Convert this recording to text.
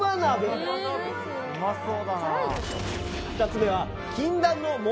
２つ目は。